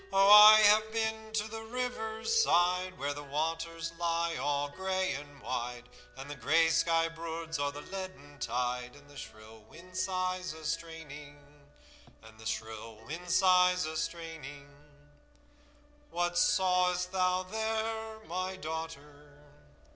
'Oh, I have been to the river's side, Where the waters lie all gray and wide, And the gray sky broods o'er the leaden tide, And the shrill wind sighs a straining.' "'What sawest thou there, my daughter?